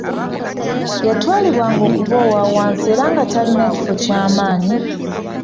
Yatwalibwanga okuba owa wansi era nga talina kifo ky'amaanyi